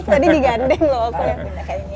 tadi digandeng loh aku ya